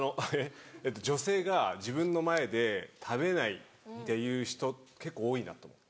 えっと女性が自分の前で食べないっていう人結構多いなと思って。